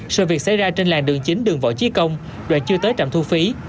sự việc xảy ra trên làng đường chính đường võ trí công đoạn chưa tới trạm thu phí